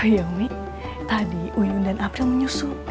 yomi tadi uyun dan april menyusul